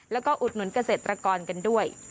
แล้วก็อุดหนุนเกษตรกรกันด้วย